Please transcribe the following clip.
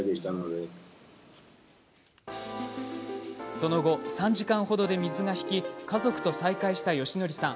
その後、３時間ほどで水が引き家族と再会した芳徳さん。